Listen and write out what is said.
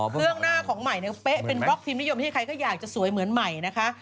เครื่องหน้าของใหม่เนี่ยเป๊ะเป็นบล็อกทีมนิยมที่ใครก็อยากจะสวยเหมือนใหม่นะคะ